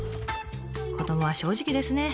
子どもは正直ですね。